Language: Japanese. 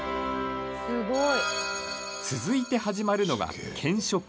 続いて始まるのが検食。